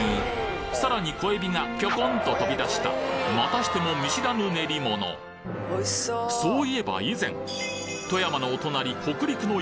さらに小海老がぴょこんと飛び出したまたしても見知らぬ練り物そういえば以前富山のお隣北陸の雄